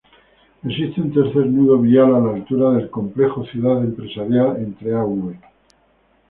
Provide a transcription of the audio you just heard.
Existe un tercer nudo vial a la altura del Complejo Ciudad Empresaria entre Av.